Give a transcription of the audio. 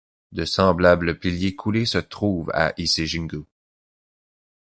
De semblables piliers coulés se trouvent au Ise-jingū.